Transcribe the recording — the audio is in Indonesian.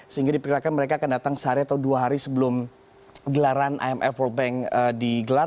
jadi diperkirakan mereka akan datang sehari atau dua hari sebelum gelaran imf dan world bank digelar